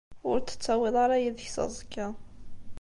Ur t-tettawiḍ ara yid-k s aẓekka.